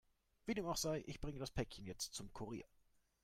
Wie dem auch sei, ich bringe das Päckchen jetzt zum Kurier.